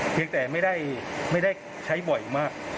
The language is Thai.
เพียงแต่ไม่ได้ใช้บ่อยมาก